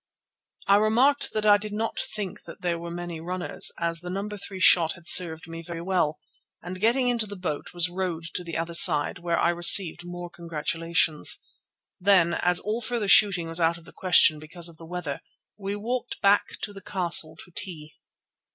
I remarked that I did not think there were many runners, as the No. 3 shot had served me very well, and getting into the boat was rowed to the other side, where I received more congratulations. Then, as all further shooting was out of the question because of the weather, we walked back to the castle to tea.